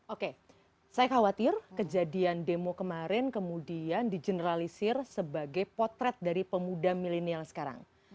oke saya khawatir kejadian demo kemarin kemudian di generalisir sebagai potret dari pemuda milenial sekarang